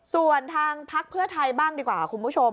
ส่วนทางพักเพื่อไทยบ้างดีกว่าคุณผู้ชม